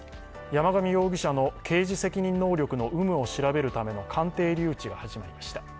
山上容疑者の刑事責任能力の有無を調べるための鑑定留置が始まりました。